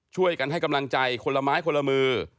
ช่วยกันให้กำลังใจคนละไม้คนละมือ